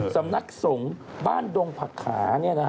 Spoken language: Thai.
สำนักสงฆ์บ้านดงผักขา